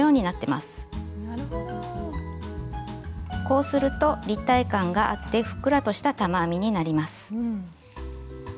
こうすると立体感があってふっくらとした玉編みになります。